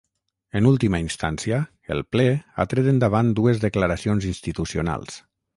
En última instància, el ple ha tret endavant dues declaracions institucionals.